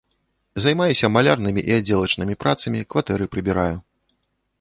Займаюся малярнымі і аддзелачнымі працамі, кватэры прыбіраю.